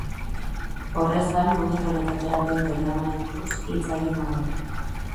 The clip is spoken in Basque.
Horrez gain, monitore eta terapeuten lanari buruz hitz egingo du.